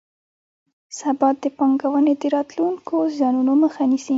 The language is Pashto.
ثبات د پانګونې د راتلونکو زیانونو مخه نیسي.